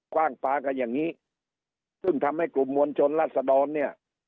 กว้างปลากันอย่างนี้ซึ่งทำให้กลุ่มมวลชนรัศดรเนี่ย